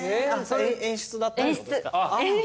演出だったってことですか？